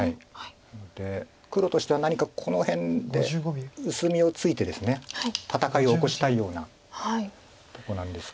なので黒としては何かこの辺で薄みをついてですね戦いを起こしたいようなとこなんですけど。